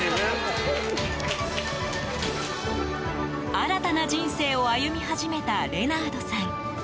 新たな人生を歩み始めたレナードさん。